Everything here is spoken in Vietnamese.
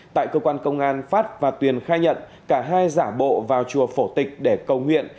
tại cơ quan công an phát và tuyền khai nhận cả hai giả bộ vào chùa phổ tịch để cầu nguyện